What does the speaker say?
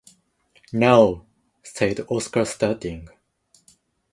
“No!” said Oscar starting.